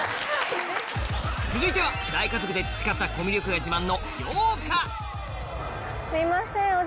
続いては大家族で培ったコミュ力が自慢のようかお！